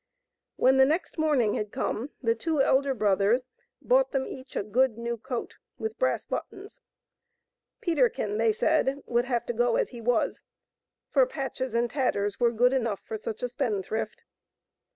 When the next morning had come, the two elder brothers bought them each a good new coat with brass buttons. Peterkin they said would have to go as he was, for patches and tatters were good enough for such a spend thrift.